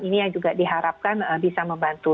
ini yang juga diharapkan bisa membantu